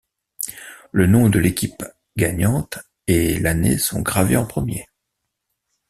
Le nom de l'équipe gagnante et l'année sont gravés en premier.